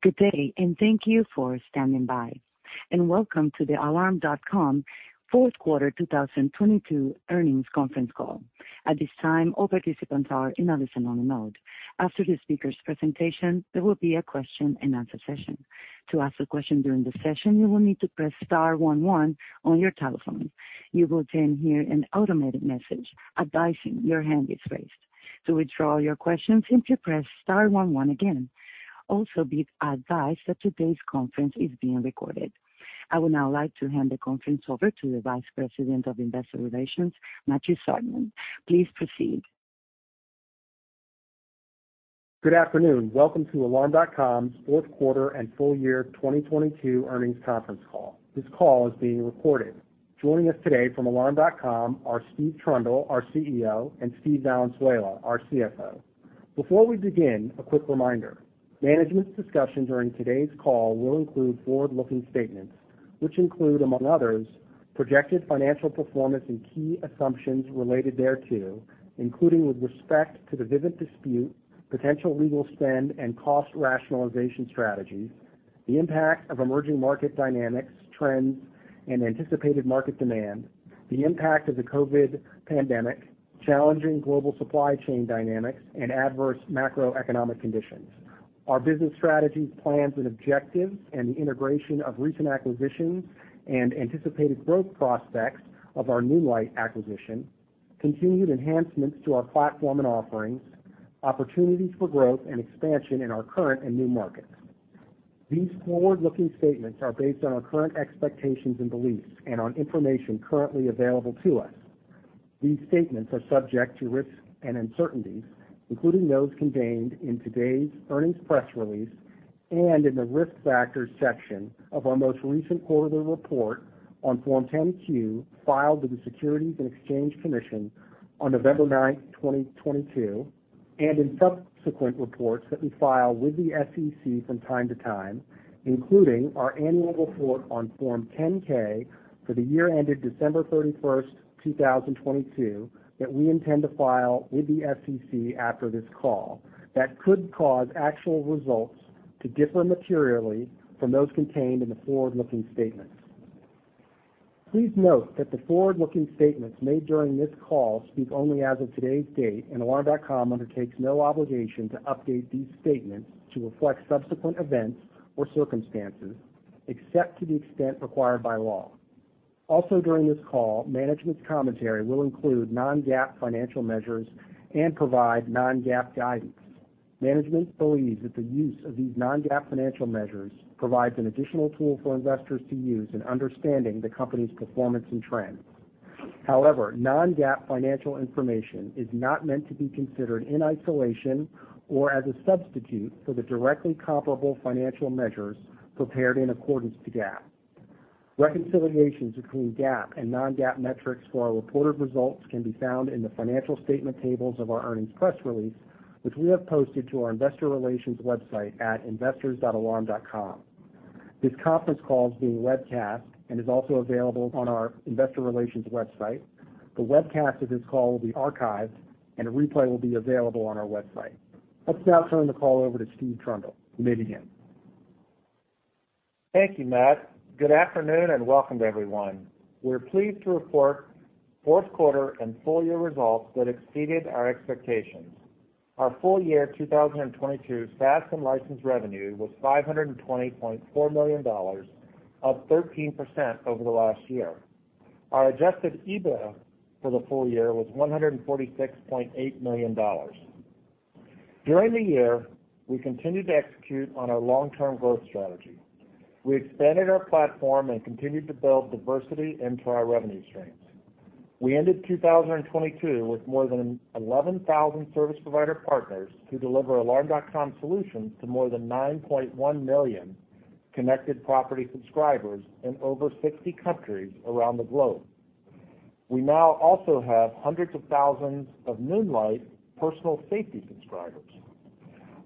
Good day, thank you for standing by. Welcome to the Alarm.com Q4 2022 earnings conference call. At this time, all participants are in a listen-only mode. After the speaker's presentation, there will be a question-and-answer session. To ask a question during the session, you will need to press star one one on your telephone. You will then hear an automated message advising your hand is raised. To withdraw your question, simply press star one one again. Also be advised that today's conference is being recorded. I would now like to hand the conference over to the Vice President of Investor Relations, Matthew Zartman. Please proceed. Good afternoon. Welcome to Alarm.com's Q4 and full year 2022 earnings conference call. This call is being recorded. Joining us today from Alarm.com are Steve Trundle, our CEO, and Steve Valenzuela, our CFO. Before we begin, a quick reminder. Management's discussion during today's call will include forward-looking statements which include, among others, projected financial performance and key assumptions related thereto, including with respect to the Vivint dispute, potential legal spend, and cost rationalization strategies, the impact of emerging market dynamics, trends, and anticipated market demand, the impact of the COVID pandemic, challenging global supply chain dynamics, and adverse macroeconomic conditions, our business strategies, plans and objectives, and the integration of recent acquisitions and anticipated growth prospects of our Noonlight acquisition, continued enhancements to our platform and offerings, opportunities for growth and expansion in our current and new markets. These forward-looking statements are based on our current expectations and beliefs and on information currently available to us. These statements are subject to risks and uncertainties, including those contained in today's earnings press release and in the Risk Factors section of our most recent quarterly report on Form 10-Q filed with the Securities and Exchange Commission on November 9th 2022, and in subsequent reports that we file with the SEC from time to time, including our annual report on Form 10-K for the year ended December 31st 2022, that we intend to file with the SEC after this call, that could cause actual results to differ materially from those contained in the forward-looking statements. Please note that the forward-looking statements made during this call speak only as of today's date, and Alarm.com undertakes no obligation to update these statements to reflect subsequent events or circumstances, except to the extent required by law. During this call, management's commentary will include non-GAAP financial measures and provide non-GAAP guidance. Management believes that the use of these non-GAAP financial measures provides an additional tool for investors to use in understanding the company's performance and trends. Non-GAAP financial information is not meant to be considered in isolation or as a substitute for the directly comparable financial measures prepared in accordance to GAAP. Reconciliations between GAAP and non-GAAP metrics for our reported results can be found in the financial statement tables of our earnings press release, which we have posted to our investor relations website at investors.alarm.com. This conference call is being webcast and is also available on our investor relations website. The webcast of this call will be archived, and a replay will be available on our website. Let's now turn the call over to Steve Trundle. You may begin. Thank you, Matt. Good afternoon, and welcome to everyone. We're pleased to report Q4 and full year results that exceeded our expectations. Our full year 2022 SaaS and license revenue was $520.4 million, up 13% over the last year. Our adjusted EBITDA for the full year was $146.8 million. During the year, we continued to execute on our long-term growth strategy. We expanded our platform and continued to build diversity into our revenue streams. We ended 2022 with more than 11,000 service provider partners who deliver Alarm.com solutions to more than 9.1 million connected property subscribers in over 60 countries around the globe. We now also have hundreds of thousands of Noonlight personal safety subscribers.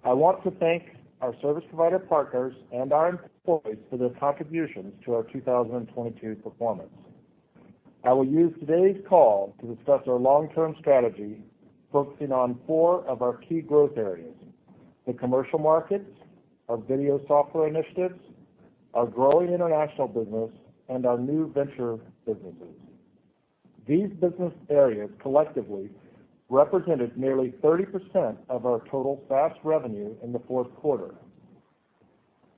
I want to thank our service provider partners and our employees for their contributions to our 2022 performance. I will use today's call to discuss our long-term strategy, focusing on four of our key growth areas: the commercial markets, our video software initiatives, our growing international business, and our new venture businesses. These business areas collectively represented nearly 30% of our total SaaS revenue in the Q4.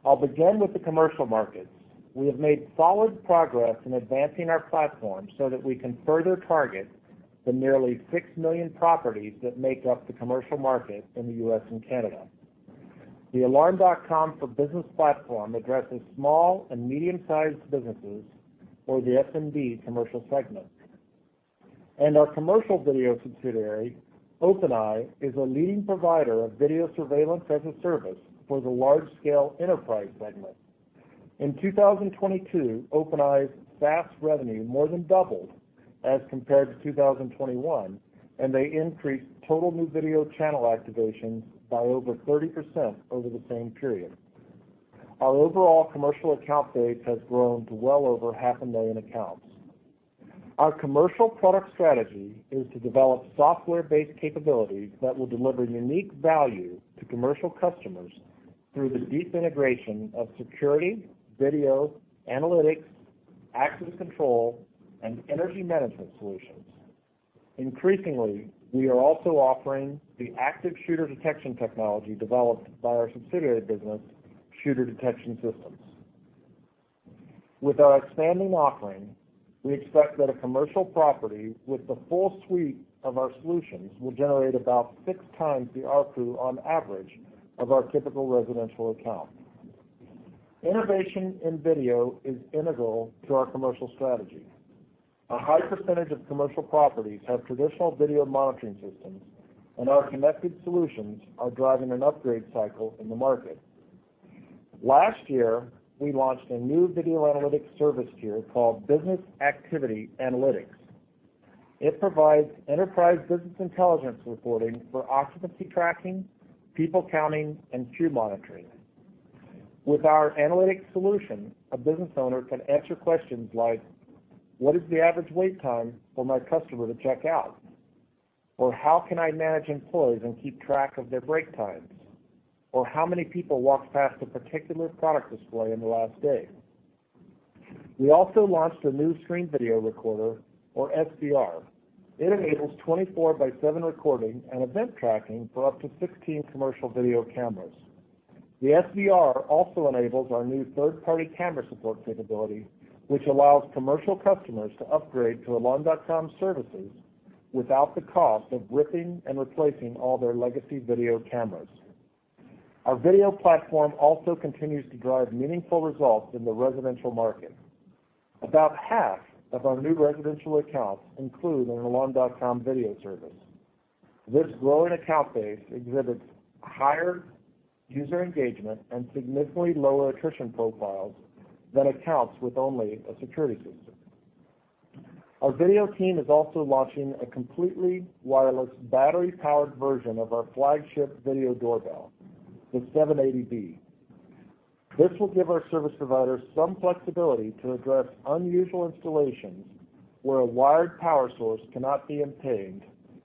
I'll begin with the commercial markets. We have made solid progress in advancing our platform so that we can further target the nearly 6 million properties that make up the commercial market in the U.S. and Canada. The Alarm.com for Business platform addresses small and medium-sized businesses for the SMB commercial segment. Our commercial video subsidiary, OpenEye, is a leading provider of video surveillance as a service for the large scale enterprise segment. In 2022, OpenEye's SaaS revenue more than doubled as compared to 2021. They increased total new video channel activations by over 30% over the same period. Our overall commercial account base has grown to well over 500,000 accounts. Our commercial product strategy is to develop software-based capabilities that will deliver unique value to commercial customers through the deep integration of security, video, analytics, access control, and energy management solutions. Increasingly, we are also offering the active shooter detection technology developed by our subsidiary business, Shooter Detection Systems. With our expanding offering, we expect that a commercial property with the full suite of our solutions will generate about 6x the ARPU on average of our typical residential account. Innovation in video is integral to our commercial strategy. A high percentage of commercial properties have traditional video monitoring systems, and our connected solutions are driving an upgrade cycle in the market. Last year, we launched a new video analytics service tier called Business Activity Analytics. It provides enterprise business intelligence reporting for occupancy tracking, people counting, and queue monitoring. With our analytics solution, a business owner can answer questions like, "What is the average wait time for my customer to check out?" "How can I manage employees and keep track of their break times?" "How many people walked past a particular product display in the last day?" We also launched a new Stream Video Recorder, or SVR. It enables 24 by 7 recording and event tracking for up to 16 commercial video cameras. The SVR also enables our new third-party camera support capability, which allows commercial customers to upgrade to Alarm.com services without the cost of ripping and replacing all their legacy video cameras. Our video platform also continues to drive meaningful results in the residential market. About half of our new residential accounts include an Alarm.com video service. This growing account base exhibits higher user engagement and significantly lower attrition profiles than accounts with only a security system. Our video team is also launching a completely wireless battery-powered version of our flagship video doorbell, the VDB780B. This will give our service providers some flexibility to address unusual installations where a wired power source cannot be obtained,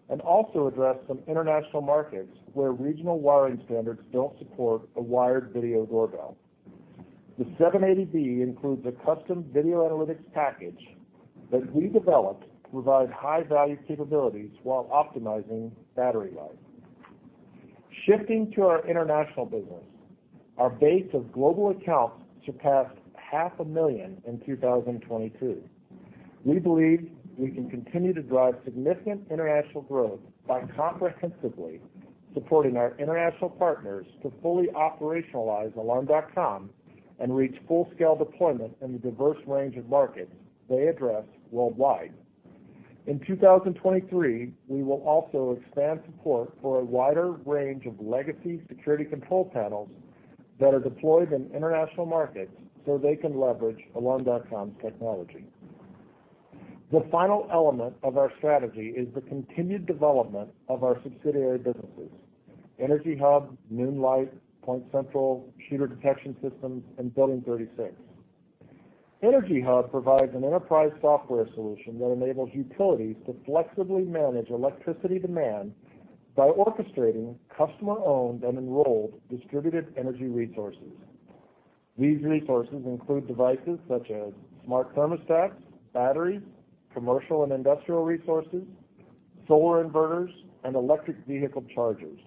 and also address some international markets where regional wiring standards don't support a wired video doorbell. The VDB780B includes a custom video analytics package that we developed to provide high-value capabilities while optimizing battery life. Shifting to our international business, our base of global accounts surpassed half a million in 2022. We believe we can continue to drive significant international growth by comprehensively supporting our international partners to fully operationalize Alarm.com and reach full-scale deployment in the diverse range of markets they address worldwide. In 2023, we will also expand support for a wider range of legacy security control panels that are deployed in international markets so they can leverage Alarm.com's technology. The final element of our strategy is the continued development of our subsidiary businesses, EnergyHub, Noonlight, PointCentral, Shooter Detection Systems, and Building 36. EnergyHub provides an enterprise software solution that enables utilities to flexibly manage electricity demand by orchestrating customer-owned and enrolled distributed energy resources. These resources include devices such as smart thermostats, batteries, commercial and industrial resources, solar inverters, and electric vehicle chargers.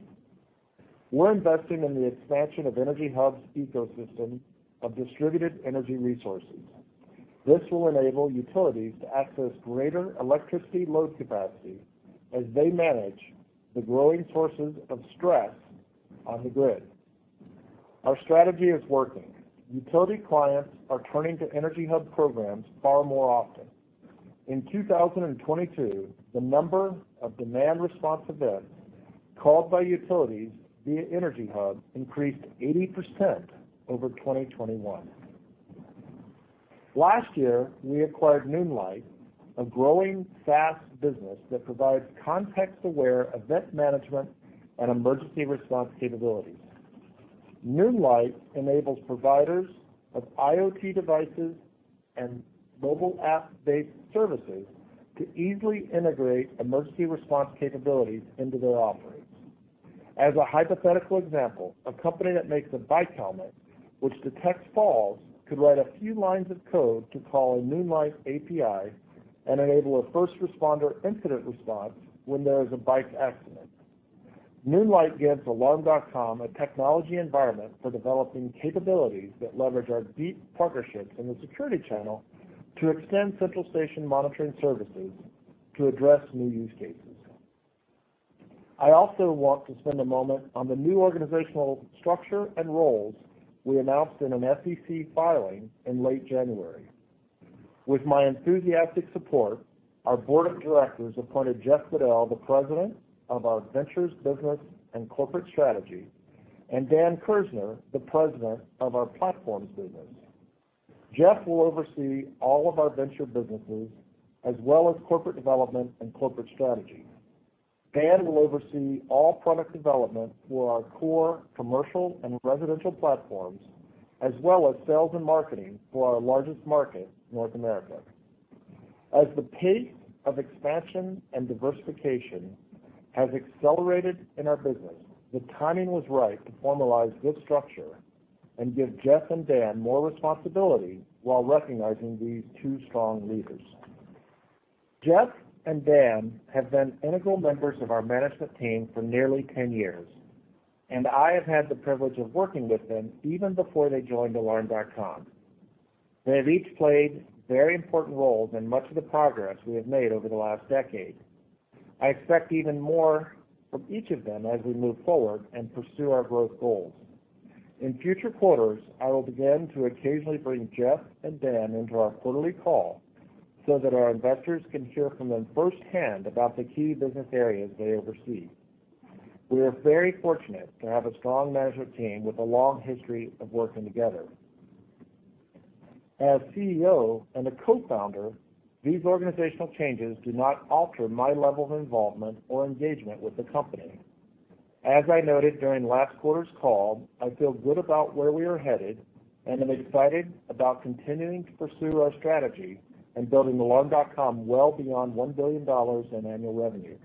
We're investing in the expansion of EnergyHub's ecosystem of distributed energy resources. This will enable utilities to access greater electricity load capacity as they manage the growing sources of stress on the grid. Our strategy is working. Utility clients are turning to EnergyHub programs far more often. In 2022, the number of demand response events called by utilities via EnergyHub increased 80% over 2021. Last year, we acquired Noonlight, a growing SaaS business that provides context-aware event management and emergency response capabilities. Noonlight enables providers of IoT devices and mobile app-based services to easily integrate emergency response capabilities into their offerings. As a hypothetical example, a company that makes a bike helmet which detects falls could write a few lines of code to call a Noonlight API and enable a first responder incident response when there is a bike accident. Noonlight gives Alarm.com a technology environment for developing capabilities that leverage our deep partnerships in the security channel to extend central station monitoring services to address new use cases. I also want to spend a moment on the new organizational structure and roles we announced in an SEC filing in late January. With my enthusiastic support, our board of directors appointed Jeffrey Bedell, the President of our Ventures Business and Corporate Strategy, and Dan Kerzner, the President of our Platforms Business. Jeff will oversee all of our venture businesses as well as corporate development and corporate strategy. Dan will oversee all product development for our core commercial and residential platforms, as well as sales and marketing for our largest market, North America. As the pace of expansion and diversification has accelerated in our business, the timing was right to formalize this structure and give Jeff and Dan more responsibility while recognizing these two strong leaders. Jeff and Dan have been integral members of our management team for nearly 10 years. I have had the privilege of working with them even before they joined Alarm.com. They have each played very important roles in much of the progress we have made over the last decade. I expect even more from each of them as we move forward and pursue our growth goals. In future quarters, I will begin to occasionally bring Jeff and Dan into our quarterly call so that our investors can hear from them firsthand about the key business areas they oversee. We are very fortunate to have a strong management team with a long history of working together. As CEO and a co-founder, these organizational changes do not alter my level of involvement or engagement with the company. As I noted during last quarter's call, I feel good about where we are headed and am excited about continuing to pursue our strategy and building Alarm.com well beyond $1 billion in annual revenue.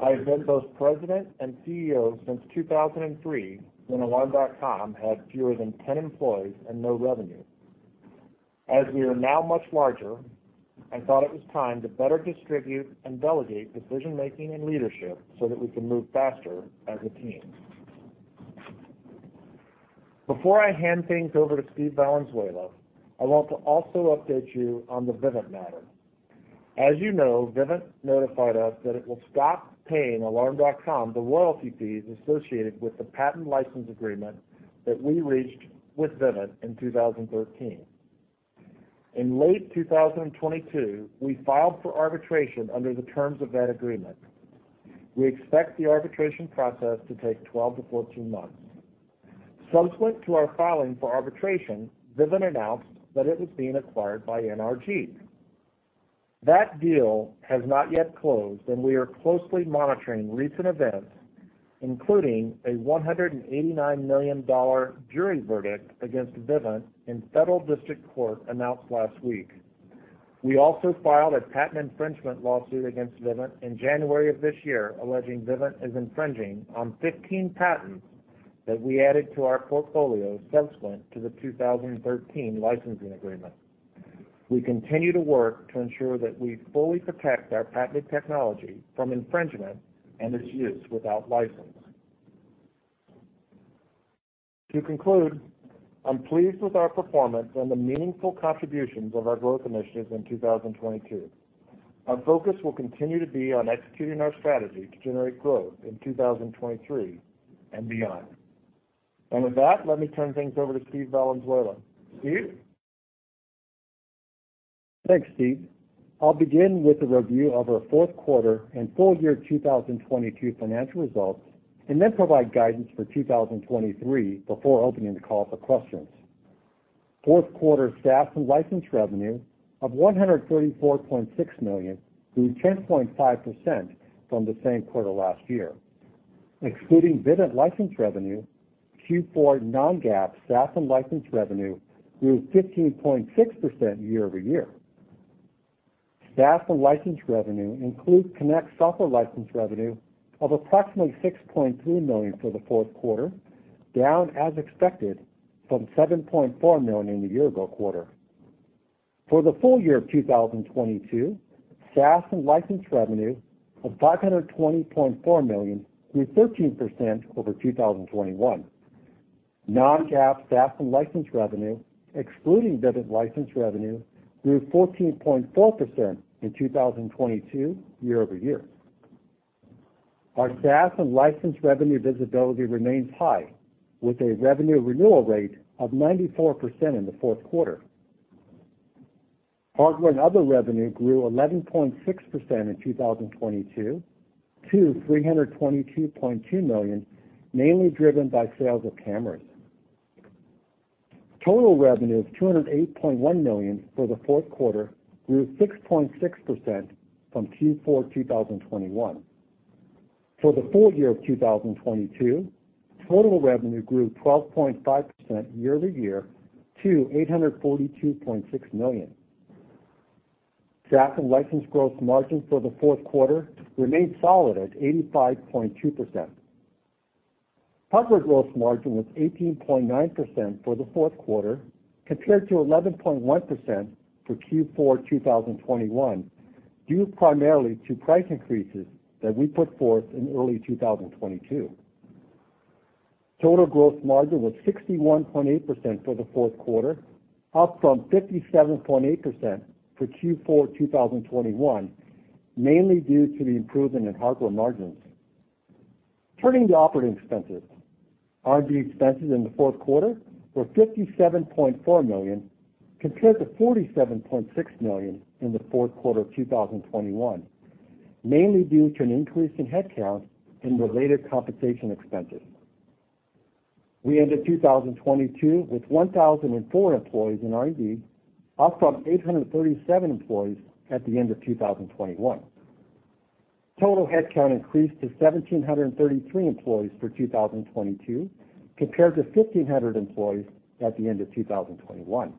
I have been both President and CEO since 2003 when Alarm.com had fewer than 10 employees and no revenue. As we are now much larger, I thought it was time to better distribute and delegate decision-making and leadership so that we can move faster as a team. Before I hand things over to Steve Valenzuela, I want to also update you on the Vivint matter. As you know, Vivint notified us that it will stop paying Alarm.com the royalty fees associated with the patent license agreement that we reached with Vivint in 2013. In late 2022, we filed for arbitration under the terms of that agreement. We expect the arbitration process to take 12-14 months. Subsequent to our filing for arbitration, Vivint announced that it was being acquired by NRG. That deal has not yet closed, and we are closely monitoring recent events, including a $189 million jury verdict against Vivint in Federal District Court announced last week. We also filed a patent infringement lawsuit against Vivint in January of this year, alleging Vivint is infringing on 15 patents that we added to our portfolio subsequent to the 2013 licensing agreement. We continue to work to ensure that we fully protect our patented technology from infringement and its use without license. To conclude, I'm pleased with our performance and the meaningful contributions of our growth initiatives in 2022. Our focus will continue to be on executing our strategy to generate growth in 2023 and beyond. With that, let me turn things over to Steve Valenzuela. Steve? Thanks, Steve. I'll begin with a review of our Q4 and full year 2022 financial results, then provide guidance for 2023 before opening the call for questions. Q4 SaaS and license revenue of $134.6 million grew 10.5% from the same quarter last year. Excluding Vivint license revenue, Q4 non-GAAP SaaS and license revenue grew 15.6% year-over-year. SaaS and license revenue includes Connect software license revenue of approximately $6.3 million for the Q4, down as expected from $7.4 million in the year-ago quarter. For the full year of 2022, SaaS and license revenue of $520.4 million grew 13% over 2021. Non-GAAP SaaS and license revenue, excluding Vivint license revenue, grew 14.4% in 2022 year-over-year. Our SaaS and license revenue visibility remains high with a revenue renewal rate of 94% in the Q4. Hardware and other revenue grew 11.6% in 2022 to $322.2 million, mainly driven by sales of cameras. Total revenue of $208.1 million for the Q4 grew 6.6% from Q4 2021. For the full year of 2022, total revenue grew 12.5% year-over-year to $842.6 million. SaaS and license growth margin for the Q4 remained solid at 85.2%. Hardware gross margin was 18.9% for the Q4, compared to 11.1% for Q4 2021, due primarily to price increases that we put forth in early 2022. Total gross margin was 61.8% for the Q4, up from 57.8% for Q4 2021, mainly due to the improvement in hardware margins. Turning to operating expenses. R&D expenses in the Q4 were $57.4 million, compared to $47.6 million in the Q4 of 2021, mainly due to an increase in headcount and related compensation expenses. We ended 2022 with 1,004 employees in R&D, up from 837 employees at the end of 2021. Total headcount increased to 1,733 employees for 2022 compared to 1,500 employees at the end of 2021.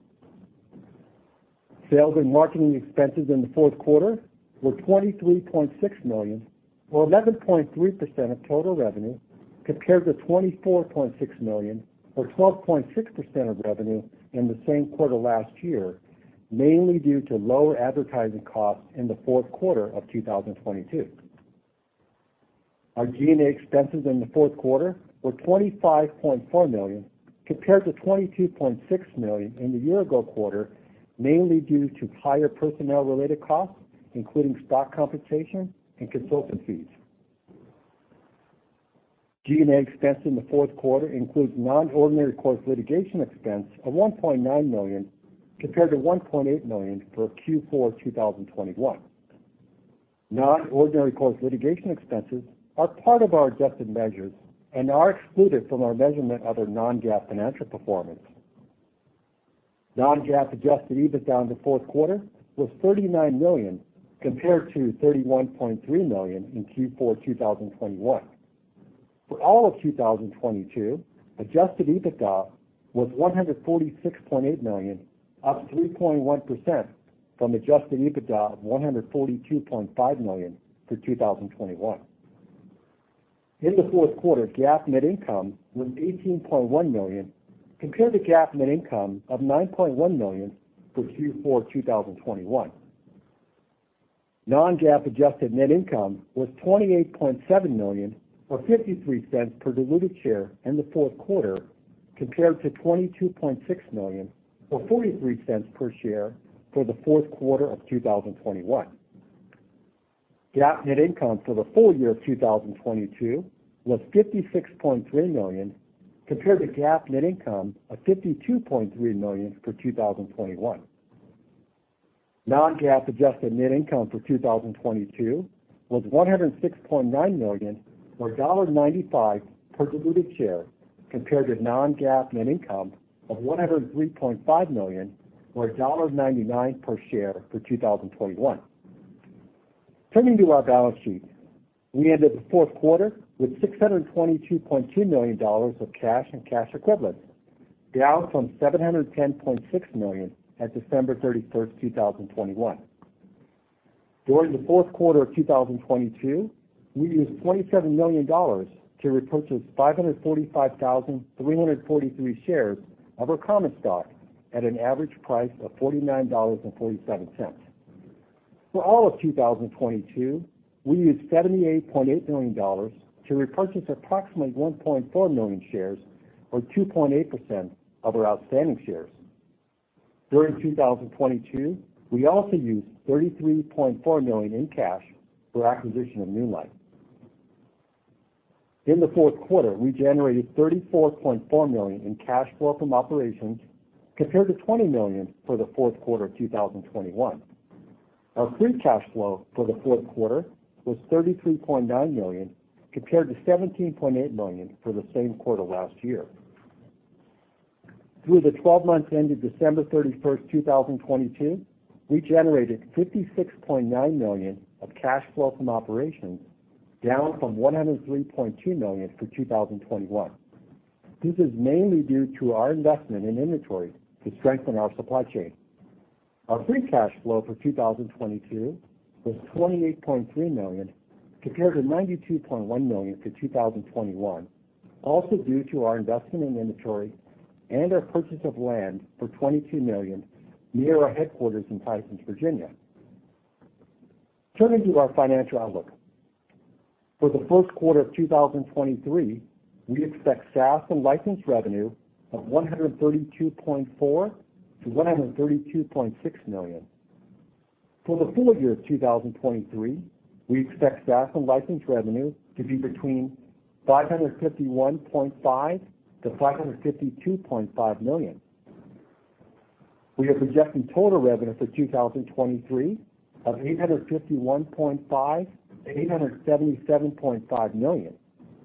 Sales and marketing expenses in the Q4 were $23.6 million, or 11.3% of total revenue, compared to $24.6 million, or 12.6% of revenue in the same quarter last year, mainly due to lower advertising costs in the Q4 of 2022. Our G&A expenses in the Q4 were $25.4 million compared to $22.6 million in the year ago quarter, mainly due to higher personnel-related costs, including stock compensation and consultant fees. G&A expense in the Q4 includes non-ordinary course litigation expense of $1.9 million compared to $1.8 million for Q4 2021. Non-ordinary course litigation expenses are part of our adjusted measures and are excluded from our measurement of their non-GAAP financial performance. Non-GAAP adjusted EBITDA in the Q4 was $39 million compared to $31.3 million in Q4 2021. For all of 2022, adjusted EBITDA was $146.8 million, up 3.1% from adjusted EBITDA of $142.5 million for 2021. In the Q4, GAAP net income was $18.1 million compared to GAAP net income of $9.1 million for Q4 2021. Non-GAAP adjusted net income was $28.7 million, or $0.53 per diluted share in the Q4 compared to $22.6 million or $0.43 per share for the Q4 of 2021. GAAP net income for the full year of 2022 was $56.3 million compared to GAAP net income of $52.3 million for 2021. Non-GAAP adjusted net income for 2022 was $106.9 million, or $0.95 per diluted share compared to non-GAAP net income of $103.5 million or $0.99 per share for 2021. Turning to our balance sheet. We ended the Q4 with $622.2 million of cash and cash equivalents, down from $710.6 million at December 31st, 2021. During the Q4 of 2022, we used $27 million to repurchase 545,343 shares of our common stock at an average price of $49.47. For all of 2022, we used $78.8 million to repurchase approximately 1.4 million shares, or 2.8% of our outstanding shares. During 2022, we also used $33.4 million in cash for acquisition of Noonlight. In the Q4, we generated $34.4 million in cash flow from operations compared to $20 million for the Q4 of 2021. Our free cash flow for the Q4 was $33.9 million compared to $17.8 million for the same quarter last year. Through the 12 months ended December 31, 2022, we generated $56.9 million of cash flow from operations, down from $103.2 million for 2021. This is mainly due to our investment in inventory to strengthen our supply chain. Our free cash flow for 2022 was $28.3 million compared to $92.1 million for 2021, also due to our investment in inventory and our purchase of land for $22 million near our headquarters in Tysons, Virginia. Turning to our financial outlook. For the Q1 of 2023, we expect SaaS and license revenue of $132.4 million-$132.6 million. For the full year of 2023, we expect SaaS and license revenue to be between $551.5 million-$552.5 million. We are projecting total revenue for 2023 of $851.5 million-$877.5 million,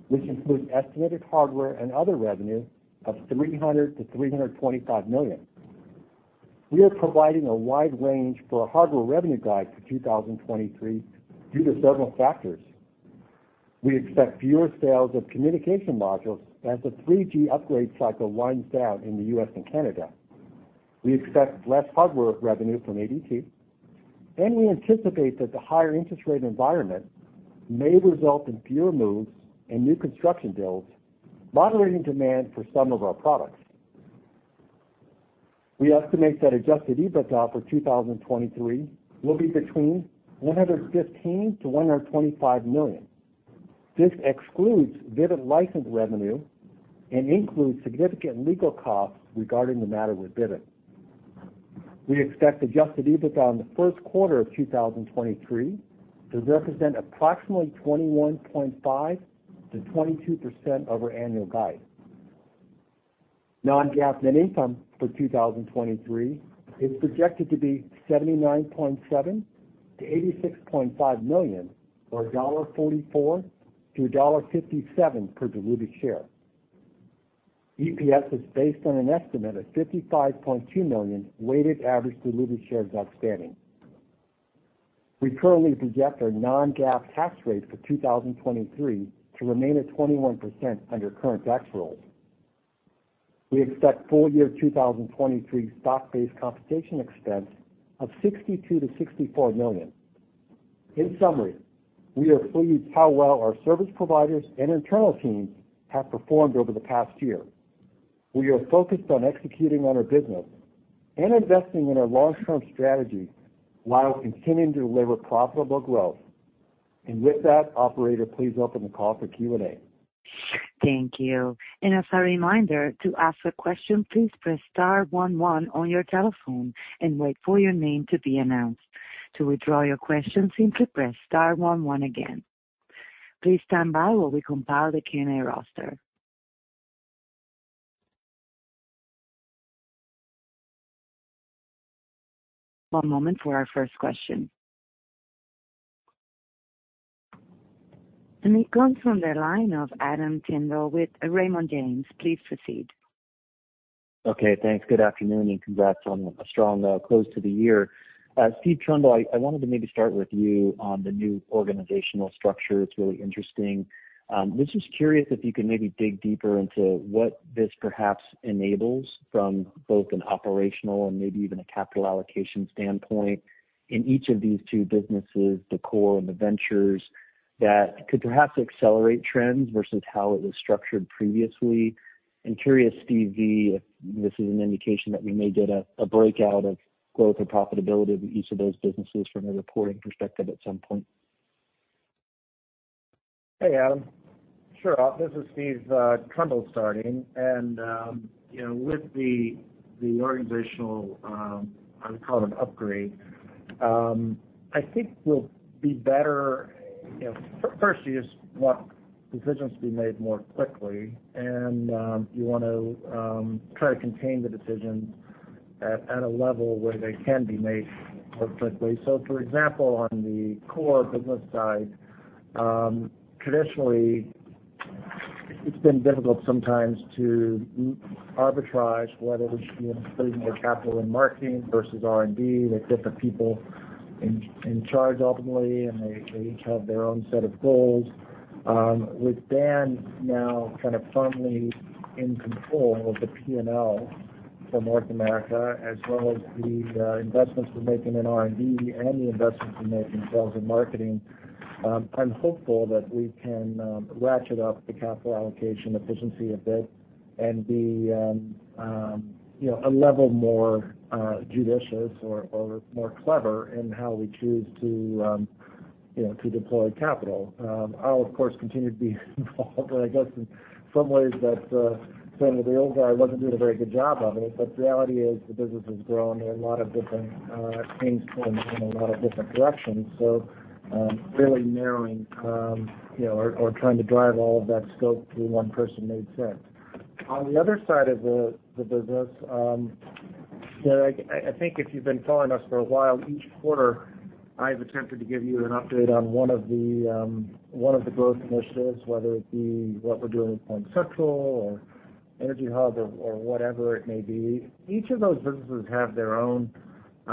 which includes estimated hardware and other revenue of $300 million-$325 million. We are providing a wide range for our hardware revenue guide for 2023 due to several factors. We expect fewer sales of communication modules as the 3G upgrade cycle winds down in the U.S. and Canada. We expect less hardware revenue from ADT, and we anticipate that the higher interest rate environment may result in fewer moves and new construction builds, moderating demand for some of our products. We estimate that adjusted EBITDA for 2023 will be between $115 million-$125 million. This excludes Vivint license revenue and includes significant legal costs regarding the matter with Vivint. We expect adjusted EBITDA in the Q1 of 2023 to represent approximately 21.5%-22% of our annual guide. Non-GAAP net income for 2023 is projected to be $79.7 million-$86.5 million or $1.44-$1.57 per diluted share. EPS is based on an estimate of 55.2 million weighted average diluted shares outstanding. We currently project our non-GAAP tax rate for 2023 to remain at 21% under current tax rules. We expect full year 2023 stock-based compensation expense of $62 million-$64 million. In summary, we are pleased how well our service providers and internal teams have performed over the past year. We are focused on executing on our business and investing in our long-term strategy while continuing to deliver profitable growth. With that, operator, please open the call for Q&A. Thank you. As a reminder, to ask a question, please press star one one on your telephone and wait for your name to be announced. To withdraw your question, simply press star one one again. Please stand by while we compile the Q&A roster. One moment for our first question. It comes from the line of Adam Tindle with Raymond James. Please proceed. Okay, thanks. Good afternoon, and congrats on a strong close to the year. Steve Trundle, I wanted to maybe start with you on the new organizational structure. It's really interesting. Was just curious if you could maybe dig deeper into what this perhaps enables from both an operational and maybe even a capital allocation standpoint in each of these two businesses, the core and the ventures, that could perhaps accelerate trends versus how it was structured previously. Curious, Steve, if this is an indication that we may get a breakout of growth or profitability of each of those businesses from a reporting perspective at some point. Hey, Adam. Sure. This is Steve Trundle starting. You know, with the organizational, I would call it an upgrade, I think we'll be better. You know, first, you just want decisions to be made more quickly and, you want to, try to contain the decisions at a level where they can be made more quickly. For example, on the core business side, traditionally it's been difficult sometimes to arbitrage whether we should be investing more capital in marketing versus R&D with different people in charge, ultimately, and they each have their own set of goals. With Dan now kind of firmly in control of the P&L for North America as well as the investments we're making in R&D and the investments we make in sales and marketing, I'm hopeful that we can ratchet up the capital allocation efficiency a bit and be, you know, a level more judicious or more clever in how we choose to, you know, to deploy capital. I'll, of course, continue to be involved, I guess in some ways that's saying that the old guy wasn't doing a very good job of it. The reality is the business has grown. There are a lot of different things pulling in a lot of different directions, really narrowing, you know, or trying to drive all of that scope through one person made sense. On the other side of the business, you know, I think if you've been following us for a while, each quarter I've attempted to give you an update on one of the growth initiatives, whether it be what we're doing with PointCentral or EnergyHub or whatever it may be. Each of those businesses have their own, you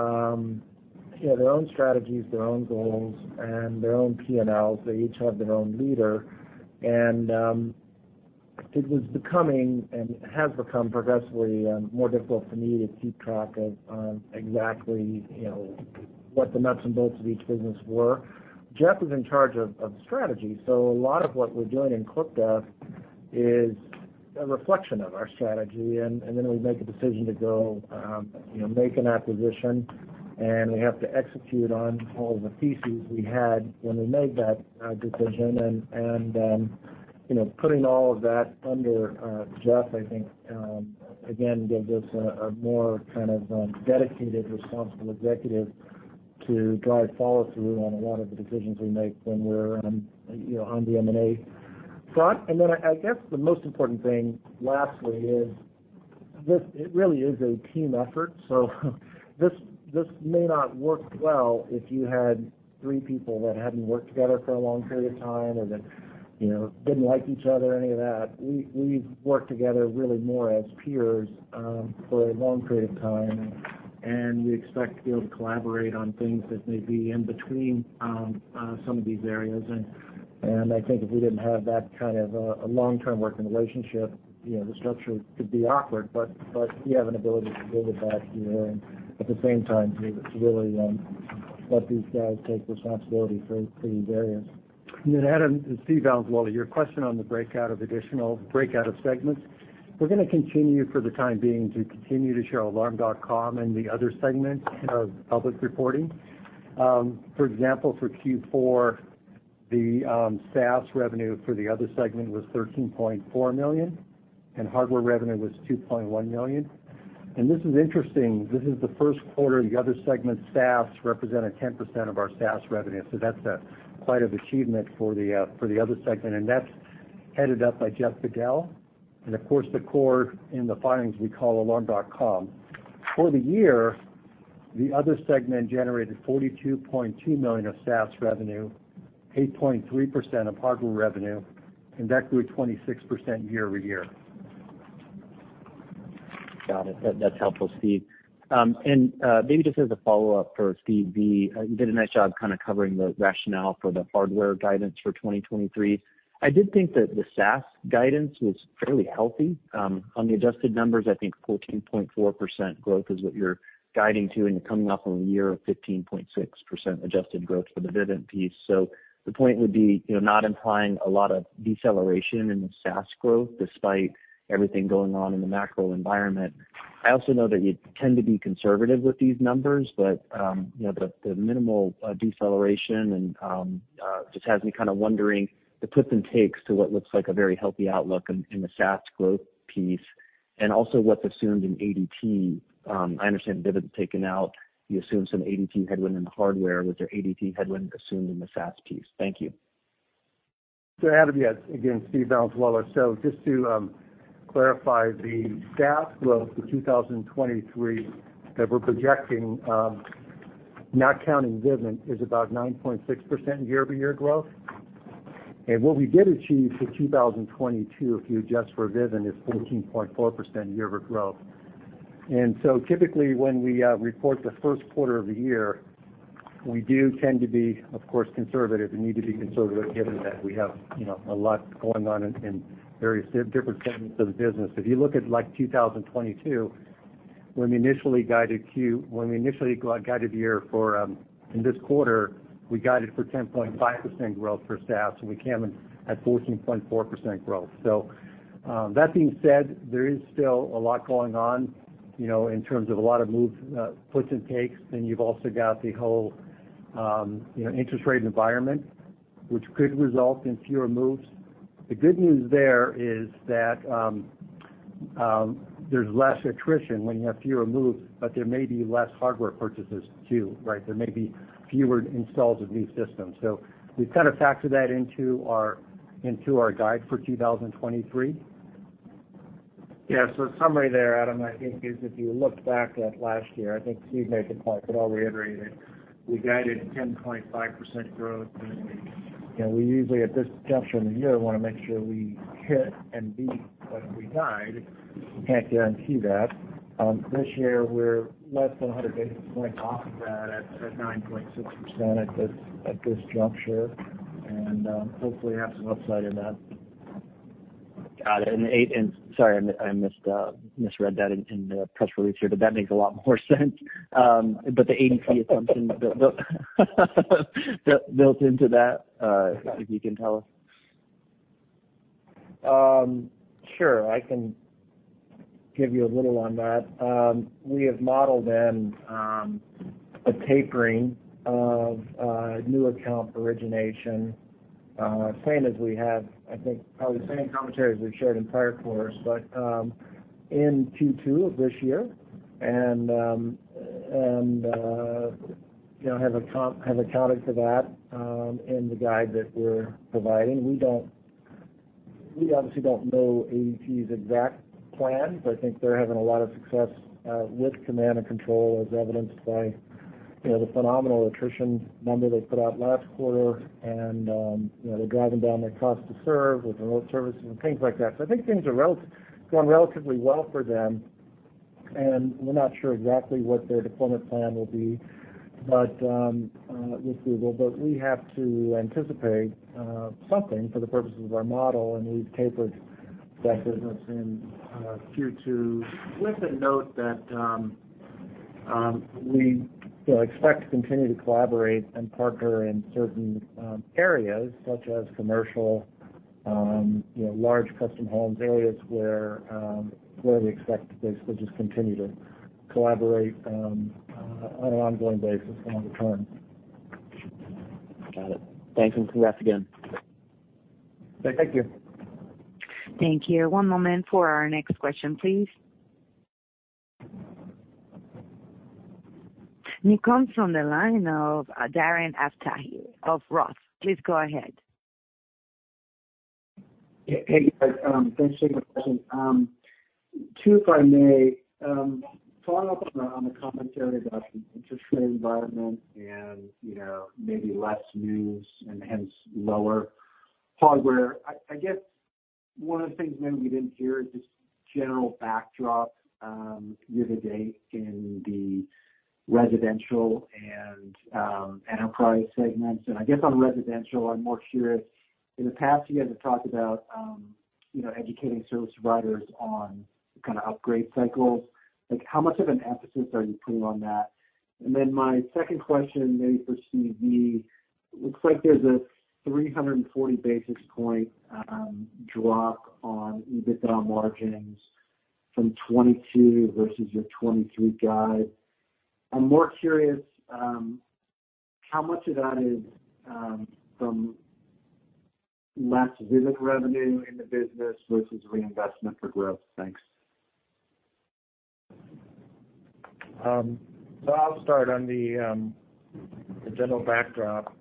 know, their own strategies, their own goals, and their own P&Ls. They each have their own leader. It was becoming and has become progressively more difficult for me to keep track of exactly, you know, what the nuts and bolts of each business were. Jeff is in charge of strategy, so a lot of what we're doing in Click-Duff is a reflection of our strategy. We make a decision to go, you know, make an acquisition, and we have to execute on all of the pieces we had when we made that decision. You know, putting all of that under Jeff, I think, again, gives us a more kind of dedicated, responsible executive to drive follow-through on a lot of the decisions we make when we're on, you know, on the M&A front. I guess the most important thing, lastly, is this, it really is a team effort. This may not work well if you had three people that hadn't worked together for a long period of time or that, you know, didn't like each other or any of that. We've worked together really more as peers for a long period of time, and we expect to be able to collaborate on things that may be in between some of these areas. I think if we didn't have that kind of a long-term working relationship, you know, the structure could be awkward. We have an ability to build it back here and at the same time to really let these guys take responsibility for these areas. Adam, it's Steve Valenzuela. Your question on the breakout of segments. We're gonna continue for the time being to continue to show Alarm.com and the other segment of public reporting. For example, for Q4, the SaaS revenue for the other segment was $13.4 million, and hardware revenue was $2.1 million. This is interesting. This is the Q1 the other segment SaaS represented 10% of our SaaS revenue. That's quite of achievement for the other segment, and that's headed up by Jeff Bedell. Of course, the core in the filings we call Alarm.com. For the year, the other segment generated $42.2 million of SaaS revenue, 8.3% of hardware revenue, and that grew 26% year-over-year. Got it. That's helpful, Steve. Maybe just as a follow-up for Steve B. You did a nice job kind of covering the rationale for the hardware guidance for 2023. I did think that the SaaS guidance was fairly healthy, on the adjusted numbers. I think 14.4% growth is what you're guiding to, and you're coming off of a year of 15.6% adjusted growth for the Vivint piece. The point would be, you know, not implying a lot of deceleration in the SaaS growth despite everything going on in the macro environment. I also know that you tend to be conservative with these numbers, but, you know, the minimal deceleration and just has me kind of wondering the puts and takes to what looks like a very healthy outlook in the SaaS growth piece and also what's assumed in ADT. I understand Vivint's taken out. You assume some ADT headwind in the hardware. Was there ADT headwind assumed in the SaaS piece? Thank you. Adam, yes. Again, Steve Valenzuela. Just to clarify the SaaS growth for 2023 that we're projecting, not counting Vivint, is about 9.6% year-over-year growth. What we did achieve for 2022, if you adjust for Vivint, is 14.4% year-over-year growth. Typically when we report the Q1 of the year, we do tend to be, of course, conservative and need to be conservative given that we have, you know, a lot going on in various different segments of the business. If you look at like 2022, when we initially guided the year for in this quarter, we guided for 10.5% growth for SaaS, and we came in at 14.4% growth. That being said, there is still a lot going on, you know, in terms of a lot of move, puts and takes. You've also got the whole, you know, interest rate environment, which could result in fewer moves. The good news there is that, there's less attrition when you have fewer moves, but there may be less hardware purchases too, right? There may be fewer installs of new systems. We've kind of factored that into our, into our guide for 2023. Summary there, Adam, I think is if you look back at last year, I think Steve made the point, but I'll reiterate it. We guided 10.5% growth, and we, you know, we usually, at this juncture in the year, wanna make sure we hit and beat what we guide. We can't guarantee that. This year we're less than 100 basis points off of that at 9.6% at this juncture. Hopefully have some upside in that. Got it. Sorry, I missed misread that in the press release here, that makes a lot more sense. The ADT assumption built into that, if you can tell us. Sure. I can give you a little on that. We have modeled in a tapering of new account origination, same as we have, I think probably the same commentary as we've shared in prior quarters. In Q2 of this year and, you know, have accounted for that in the guide that we're providing. We obviously don't know ADT's exact plans. I think they're having a lot of success with command and control, as evidenced by, you know, the phenomenal attrition number they put out last quarter. You know, they're driving down their cost to serve with remote services and things like that. I think things are going relatively well for them, and we're not sure exactly what their deployment plan will be. With Google, but we have to anticipate something for the purposes of our model, and we've tapered that business in Q2 with a note that we, you know, expect to continue to collaborate and partner in certain areas such as commercial, you know, large custom homes, areas where we expect to basically just continue to collaborate on an ongoing basis longer term. Got it. Thanks, and congrats again. Thank you. Thank you. One moment for our next question, please. It comes from the line of Darren Aftahi of Roth. Please go ahead. Hey, guys. Thanks for taking my question. Two, if I may. Follow-up on the commentary about the interest rate environment and, you know, maybe less moves and hence lower hardware. I guess one of the things maybe we didn't hear is just general backdrop year to date in the residential and enterprise segments. I guess on residential, I'm more curious, in the past, you guys have talked about, you know, educating service providers on kind of upgrade cycles. How much of an emphasis are you putting on that? My second question maybe for Steve B. Looks like there's a 340 basis point drop on EBITDA margins from 2022 versus your 2023 guide. I'm more curious, how much of that is fromLess Vivint revenue in the business versus reinvestment for growth. Thanks. I'll start on the general backdrop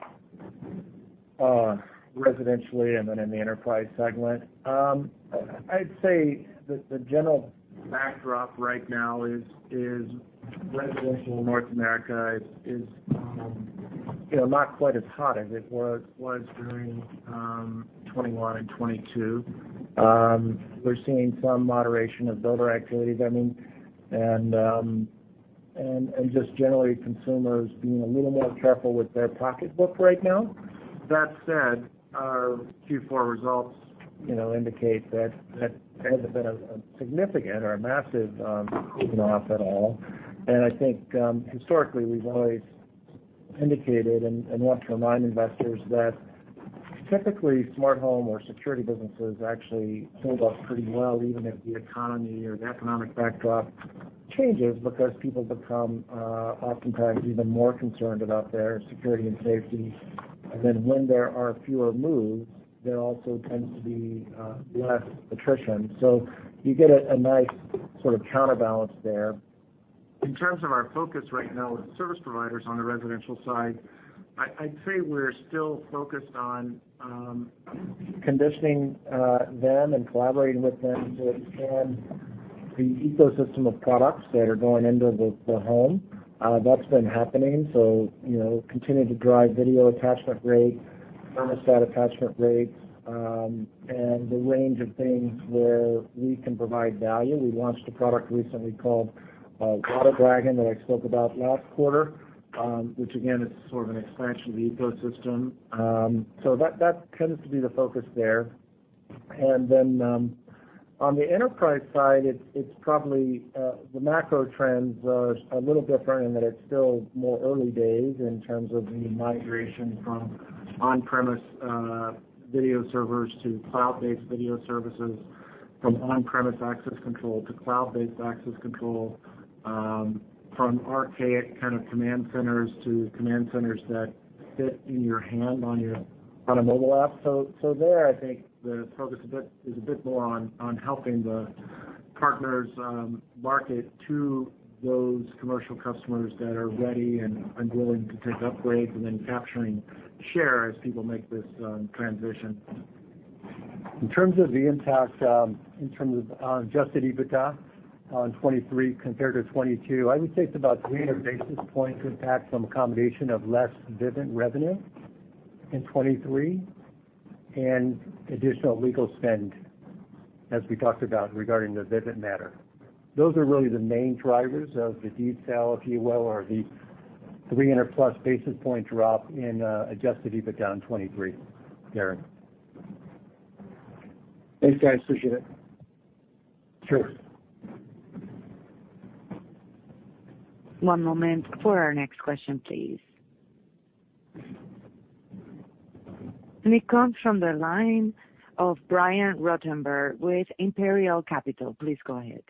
residentially and then in the enterprise segment. I'd say that the general backdrop right now is residential North America is, you know, not quite as hot as it was during 2021 and 2022. We're seeing some moderation of builder activities, I mean, and just generally consumers being a little more careful with their pocketbook right now. That said, our Q4 results, you know, indicate that that hasn't been a significant or a massive taken off at all. I think historically, we've always indicated and want to remind investors that typically smart home or security businesses actually hold up pretty well, even if the economy or the economic backdrop changes because people become oftentimes even more concerned about their security and safety. When there are fewer moves, there also tends to be less attrition. You get a nice sort of counterbalance there. In terms of our focus right now with service providers on the residential side, I'd say we're still focused on conditioning them and collaborating with them to expand the ecosystem of products that are going into the home. That's been happening, so, you know, continuing to drive video attachment rates, thermostat attachment rates, and the range of things where we can provide value. We launched a product recently called Water Dragon that I spoke about last quarter, which again, is sort of an expansion of the ecosystem. That tends to be the focus there. On the enterprise side, it's probably, the macro trends are a little different in that it's still more early days in terms of the migration from on-premise, video servers to cloud-based video services, from on-premise access control to cloud-based access control, from archaic kind of command centers to command centers that fit in your hand on a mobile app. So there, I think the focus is a bit more on helping the partners market to those commercial customers that are ready and willing to take upgrades and then capturing share as people make this transition. In terms of the impact, in terms of adjusted EBITDA on 2023 compared to 2022, I would say it's about 300 basis points impact from a combination of less Vivint revenue in 2023 and additional legal spend, as we talked about regarding the Vivint matter. Those are really the main drivers of the detail, if you will, or the 300 plus basis point drop in adjusted EBITDA in 2023, Darren. Thanks, guys. Appreciate it. Sure. One moment for our next question, please. It comes from the line of Brian Ruttenbur with Imperial Capital. Please go ahead.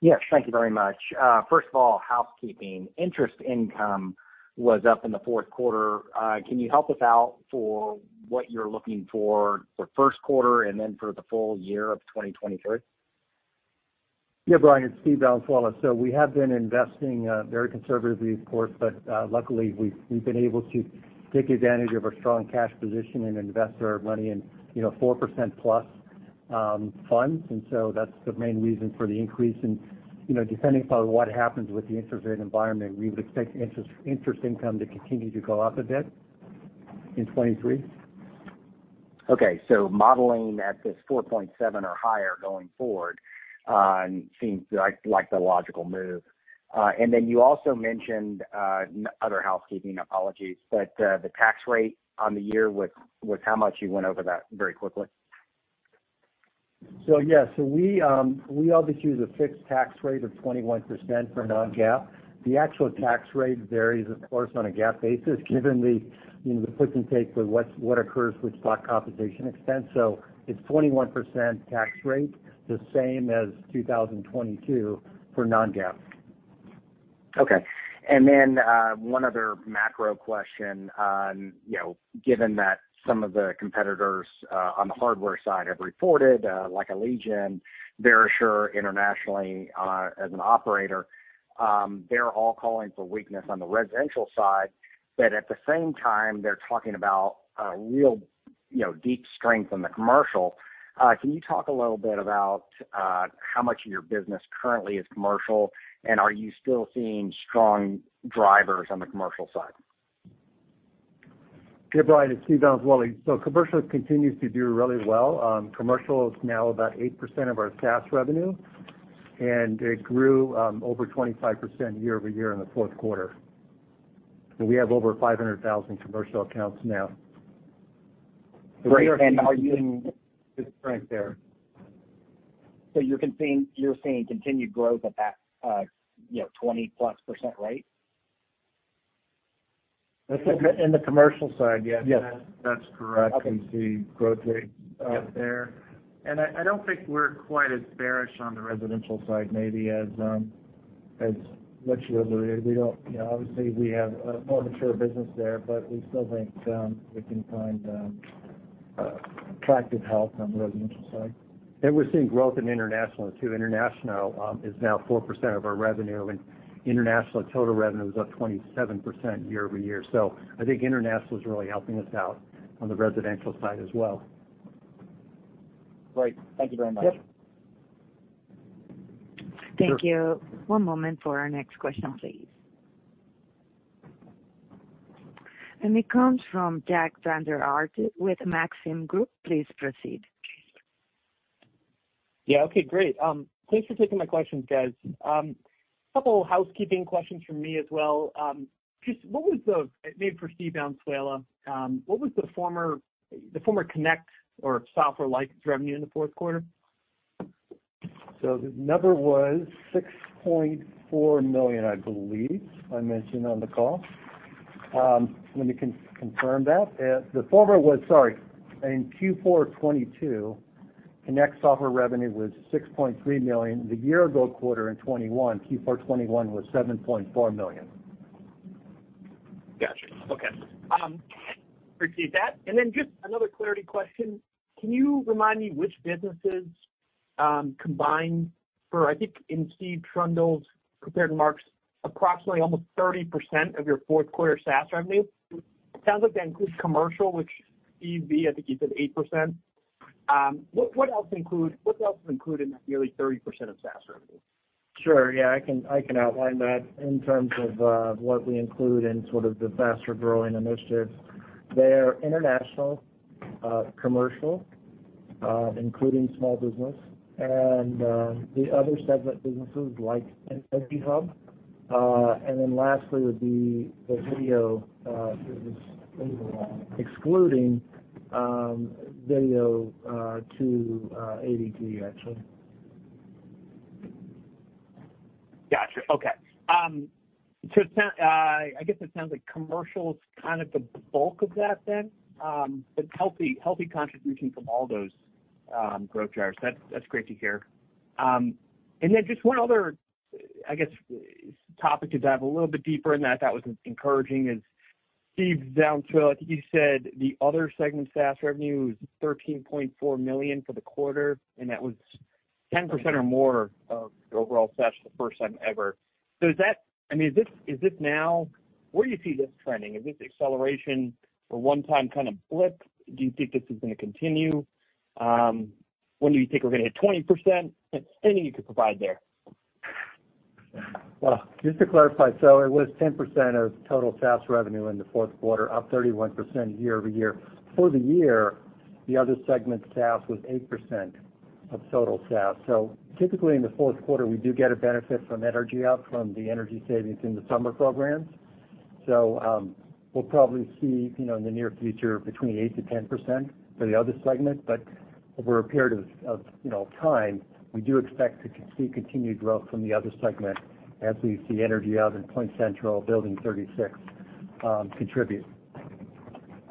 Yes, thank you very much. First of all, housekeeping. Interest income was up in the Q4. Can you help us out for what you're looking for for Q1 and then for the full year of 2023? Yeah, Brian, it's Steve Valenzuela. We have been investing, very conservatively, of course, but, luckily, we've been able to take advantage of our strong cash position and invest our money in, you know, 4%+ funds. That's the main reason for the increase in, you know, depending upon what happens with the interest rate environment, we would expect interest income to continue to go up a bit in 2023. Modeling at this 4.7 or higher going forward, seems like the logical move. You also mentioned other housekeeping, apologies, the tax rate on the year was how much? You went over that very quickly. Yeah. We obviously use a fixed tax rate of 21% for non-GAAP. The actual tax rate varies, of course, on a GAAP basis, given the, you know, the give and take with what occurs with stock compensation expense. It's 21% tax rate, the same as 2022 for non-GAAP. Okay. One other macro question on, you know, given that some of the competitors, on the hardware side have reported, like Allegion, Verisure internationally, as an operator, they're all calling for weakness on the residential side. At the same time, they're talking about, real, you know, deep strength in the commercial. Can you talk a little bit about, how much of your business currently is commercial? Are you still seeing strong drivers on the commercial side? Brian, it's Steve Valenzuela. Commercial continues to do really well. Commercial is now about 8% of our SaaS revenue, and it grew over 25% year-over-year in the Q4. We have over 500,000 commercial accounts now. Great. We are seeing good strength there. You're seeing continued growth at that, you know, 20%+ rate? In the commercial side, yes. Yes. That's correct. Okay. We see growth rates out there. I don't think we're quite as bearish on the residential side maybe as We don't, you know, obviously, we have a more mature business there, but we still think we can find attractive health on the residential side. We're seeing growth in international too. International is now 4% of our revenue, and international total revenue is up 27% year-over-year. I think international is really helping us out on the residential side as well. Great. Thank you very much. Yep. Sure. Thank you. One moment for our next question, please. It comes from Jack Vander Aarde with Maxim Group. Please proceed. Yeah. Okay, great. Thanks for taking my questions, guys. A couple housekeeping questions from me as well. Maybe for Steve Valenzuela, what was the former Connect or software license revenue in the Q4? The number was $6.4 million, I believe I mentioned on the call. Let me confirm that. The former was... Sorry. In Q4 2022, Connect software revenue was $6.3 million. The year-ago quarter in 2021, Q4 2021, was $7.4 million. Got you. Okay. Appreciate that. Then just another clarity question. Can you remind me which businesses combined for, I think, in Steve Trundle's prepared remarks, approximately almost 30% of your Q4 SaaS revenue? It sounds like that includes commercial, which Steve, I think you said 8%. What else is included in that nearly 30% of SaaS revenue? Sure. Yeah. I can outline that in terms of what we include in sort of the faster-growing initiatives. They are international, commercial, including small business, and the other segment businesses like EnergyHub. Lastly would be the video business, excluding video to ADT, actually. Gotcha. Okay. I guess, it sounds like commercial is kind of the bulk of that then. Healthy contribution from all those growth drivers. That's great to hear. Just one other, I guess, topic to dive a little bit deeper, and that I thought was encouraging is, Steve Valenzuela, I think you said the other segment SaaS revenue was $13.4 million for the quarter, and that was 10% or more of your overall SaaS for the first time ever. I mean, is this now? Where do you see this trending? Is this acceleration a one-time kind of blip? Do you think this is gonna continue? When do you think we're gonna hit 20%? Anything you could provide there. Just to clarify. It was 10% of total SaaS revenue in the Q4, up 31% year-over-year. For the year, the other segment SaaS was 8% of total SaaS. Typically, in the Q4, we do get a benefit from EnergyHub from the energy savings in the summer programs. We'll probably see, you know, in the near future between 8%-10% for the other segment. Over a period of, you know, time, we do expect to see continued growth from the other segment as we see EnergyHub and PointCentral, Building 36, contribute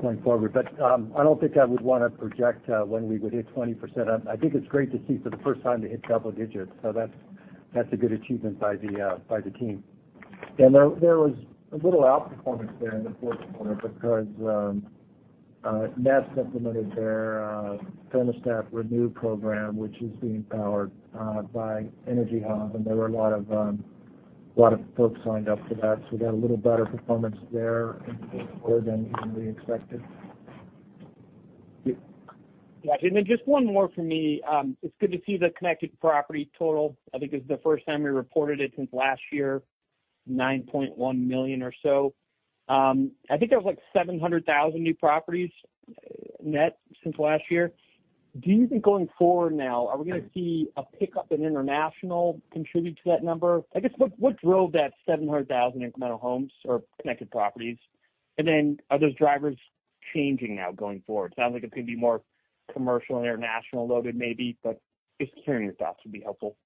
going forward. I don't think I would wanna project when we would hit 20%. I think it's great to see for the first time to hit double digits. That's a good achievement by the team. There was a little outperformance there in the Q4 because Nest implemented their Thermostat Renew program, which is being powered by EnergyHub, and there were a lot of folks signed up for that. We got a little better performance there in Q4 than even we expected. Got you. Just one more from me. It's good to see the connected property total. I think it's the first time we reported it since last year, $9.1 million or so. I think there was like 700,000 new properties net since last year. Do you think going forward now, are we gonna see a pickup in international contribute to that number? I guess, what drove that 700,000 incremental homes or connected properties? Are those drivers changing now going forward? Sounds like it could be more commercial and international loaded maybe. Just hearing your thoughts would be helpful.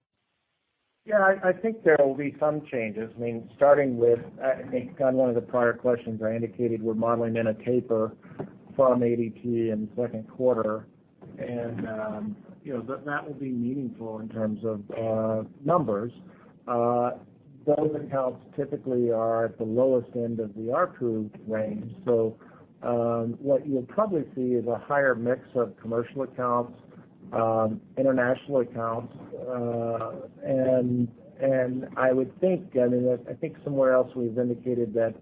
Yeah. I think there will be some changes, I mean, starting with, I think on one of the prior questions I indicated we're modeling in a taper from ADT in the Q2. You know, that will be meaningful in terms of numbers. Those accounts typically are at the lowest end of the ARPU range. What you'll probably see is a higher mix of commercial accounts, international accounts, and I would think, I mean, I think somewhere else we've indicated that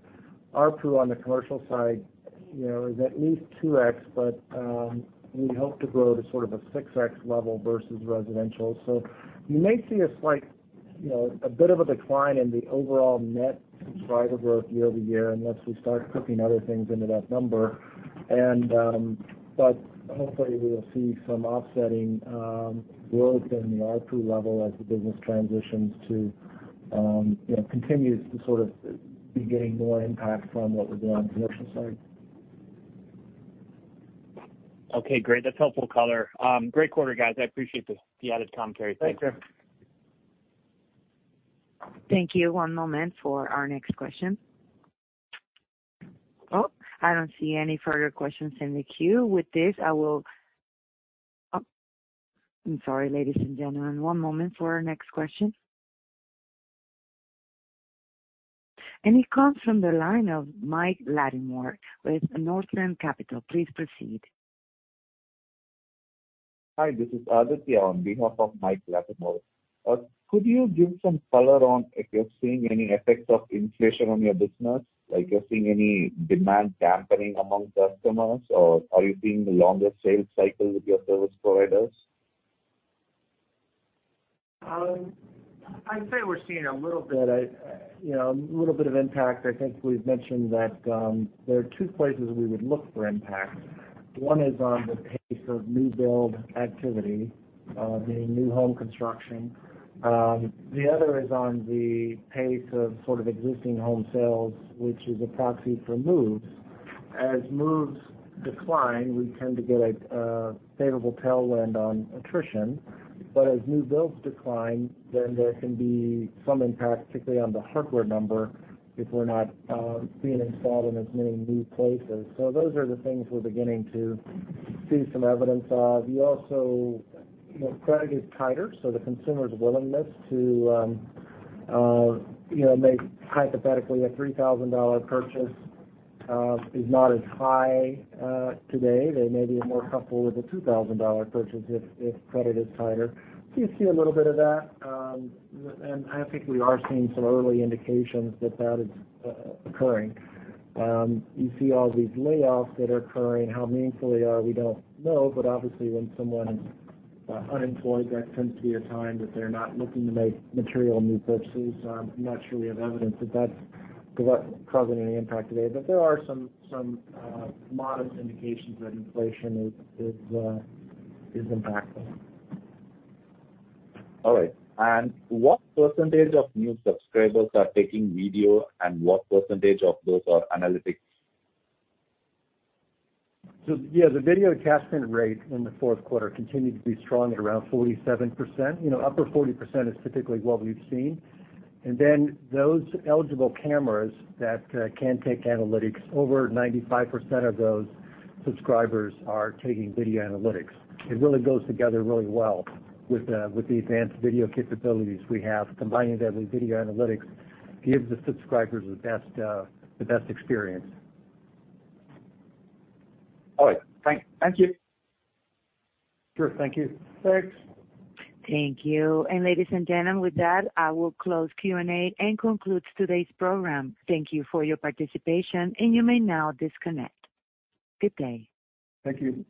ARPU on the commercial side, you know, is at least 2x, we hope to grow to sort of a 6x level versus residential. You may see a slight, you know, a bit of a decline in the overall net subscriber growth year-over-year unless we start cooking other things into that number. But hopefully, we will see some offsetting growth in the ARPU level as the business transitions to, you know, continues to sort of be getting more impact from what we're doing on the commercial side. Okay, great. That's helpful color. Great quarter, guys. I appreciate the added commentary. Thanks. Thanks, Jack. Thank you. One moment for our next question. Oh, I don't see any further questions in the queue. With this, Oh, I'm sorry, ladies and gentlemen, one moment for our next question. It comes from the line of Mike Latimore with Northland Capital. Please proceed. Hi, this is Aditya on behalf of Mike Latimore. Could you give some color on if you're seeing any effects of inflation on your business? Like you're seeing any demand dampening among customers, or are you seeing longer sales cycles with your service providers? I'd say we're seeing a little bit, you know, a little bit of impact. I think we've mentioned that there are two places we would look for impact. One is on the pace of new build activity, being new home construction. The other is on the pace of sort of existing home sales, which is a proxy for moves. As moves decline, we tend to get a favorable tailwind on attrition. As new builds decline, then there can be some impact, particularly on the hardware number, if we're not being installed in as many new places. Those are the things we're beginning to see some evidence of. We also, you know, credit is tighter, so the consumer's willingness to, you know, make hypothetically a $3,000 purchase is not as high today. They may be more comfortable with a $2,000 purchase if credit is tighter. You see a little bit of that. I think we are seeing some early indications that that is occurring. You see all these layoffs that are occurring. How meaningful they are, we don't know. Obviously, when someone is unemployed, that tends to be a time that they're not looking to make material new purchases. I'm not sure we have evidence that that's causing any impact today. There are some modest indications that inflation is impacting. All right. What % of new subscribers are taking video, and what % of those are analytics? Yeah, the video attachment rate in the Q4 continued to be strong at around 47%. You know, upper 40% is typically what we've seen. Then those eligible cameras that can take analytics, over 95% of those subscribers are taking video analytics. It really goes together really well with the, with the advanced video capabilities we have. Combining that with video analytics gives the subscribers the best, the best experience. All right. Thank you. Sure. Thank you. Thanks. Thank you. Ladies and gentlemen, with that, I will close Q&A and concludes today's program. Thank you for your participation, and you may now disconnect. Good day. Thank you.